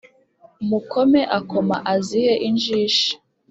Mukome akamo azihe injishi